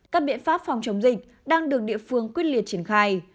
các biện pháp phòng chống dịch đang được địa phương quyết liệt triển khai